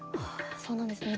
そうなんですね。